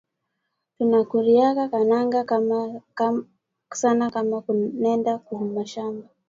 Tuna kuriaka kalanga sana kama tunenda ku mashamba